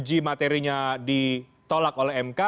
uji materinya ditolak oleh mk